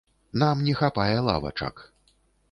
Нам не хапае лавачак!